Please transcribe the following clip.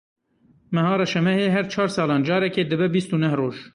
Meha reşemehê her çar salan carekê dibe bîst û neh roj.